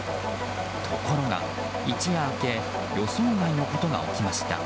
ところが、一夜明け予想外なことが起きました。